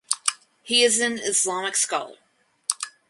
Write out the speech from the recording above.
He is an Islamic Scholar.